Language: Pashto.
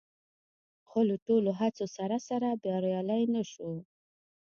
خو له ټولو هڅو سره سره بریالي نه شول